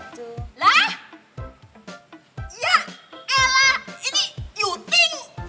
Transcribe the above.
ya elah ini you think